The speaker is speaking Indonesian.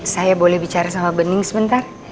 saya boleh bicara sama bening sebentar